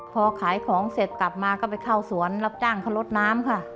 พอขายของเสร็จกลับมาก็ไปเข้าสวนรับจ้างเขาลดน้ำค่ะ